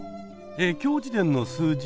え今日時点の数字は。